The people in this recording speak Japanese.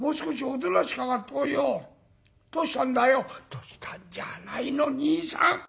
「どうしたんじゃないの兄さん。